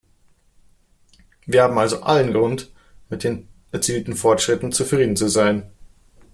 Wir haben also allen Grund, mit den erzielten Fortschritten zufrieden zu sein.